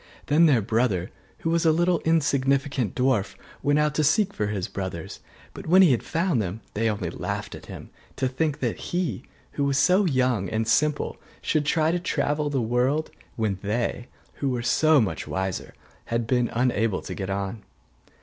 Then their brother, who was a little insignificant dwarf, went out to seek for his brothers: but when he had found them they only laughed at him, to think that he, who was so young and simple, should try to travel through the world, when they, who were so much wiser, had been unable to get on.